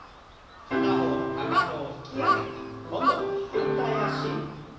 片方のかかとを引き上げて今度は反対脚。